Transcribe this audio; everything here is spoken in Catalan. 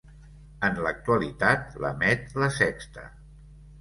En l'actualitat l'emet La Sexta.